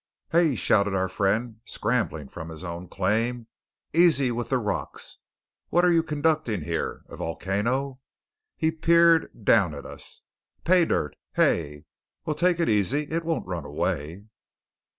"Hey!" shouted our friend, scrambling from his own claim. "Easy with the rocks! What are you conducting here? a volcano?" He peered down at us. "Pay dirt, hey? Well, take it easy; it won't run away!"